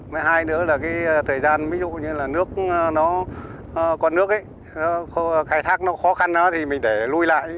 mới hai nữa là cái thời gian ví dụ như là nước nó con nước ấy khai thác nó khó khăn thì mình để lui lại